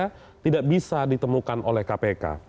di indonesia tidak bisa ditemukan oleh kpk